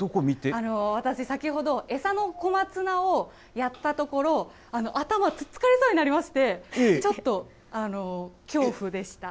私、先ほど、餌の小松菜をやったところ、頭突っつかれそうになりまして、ちょっと、恐怖でした。